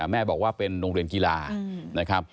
แม่บอกว่าเป็นโรงเรียนกีฬานะครับ